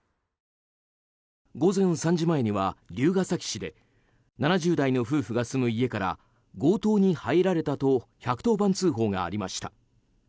午前３時前には龍ケ崎市で７０代の夫婦が住む家から強盗に入られたと１１０番通報がありました。